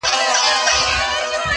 يو تر بله هم په عقل گړندي وه-